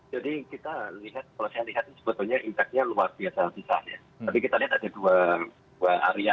jadi kalau saya lihat sebetulnya impact nya luar biasa